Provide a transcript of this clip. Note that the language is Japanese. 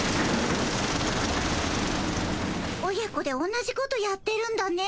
親子で同じことやってるんだね。